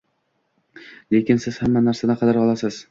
lekin siz hamma narsani qidira olasiz.